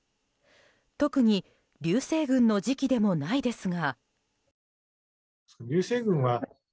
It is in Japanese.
特に流星群の時期でもないですが。